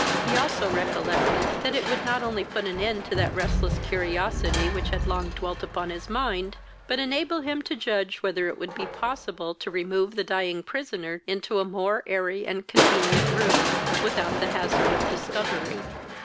He also recollected that it would not only put an end to that restless curiosity which had long dwelt upon his mind, but enable him to judge whether it would be possible to remove the dying prisoner into a more airy and convenient room, without the hazard of a discovery.